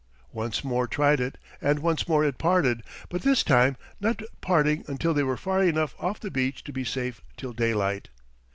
Once more tried it, and once more it parted, but this time not parting until they were far enough off the beach to be safe till daylight.